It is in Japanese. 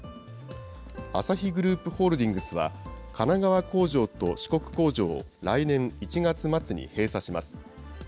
アサヒグループホールディングスは、神奈川工場と四国工場を来年１月末に閉鎖します。